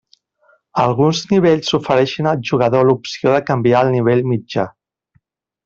Alguns nivells ofereixen al jugador l’opció de canviar el nivell mitjà.